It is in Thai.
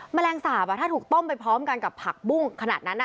แมลงสาปถ้าถูกต้มไปพร้อมกันกับผักบุ้งขนาดนั้น